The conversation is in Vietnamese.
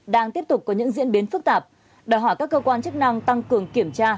đang tiếp tục có những diễn biến phức tạp đòi hỏi các cơ quan chức năng tăng cường kiểm tra